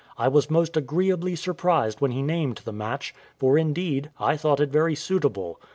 I was most agreeably surprised when he named the match; for, indeed, I thought it very suitable.